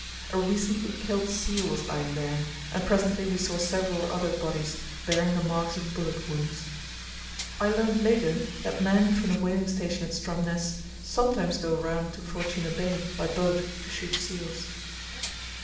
A recently killed seal was lying there, and presently we saw several other bodies bearing the marks of bullet wounds. I learned later that men from the whaling station at Stromness sometimes go round to Fortuna Bay by boat to shoot seals.